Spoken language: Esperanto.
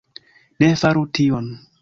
Ne faru tion.